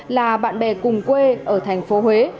là bạn bè cùng quê ở tp huế